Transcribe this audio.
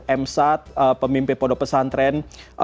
emsat pemimpin modok pesantren